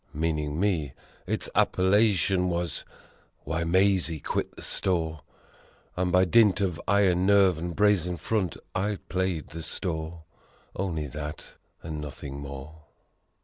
(Meaning me) Its appellation was "Why Mazie Quit the Store." And by dint of iron nerve and brazen front I played the store: Only that and nothing more.